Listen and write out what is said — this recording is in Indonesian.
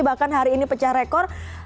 bahkan hari ini pecah rekor